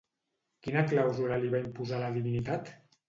Quina clàusula li va imposar la divinitat?